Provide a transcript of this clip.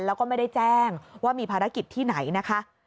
แล้วก็ไม่ได้แจ้งว่ามีภารกิจที่ไหนนะคะ